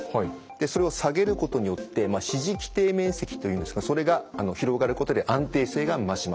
それを下げることによって支持基底面積というんですがそれが広がることで安定性が増します。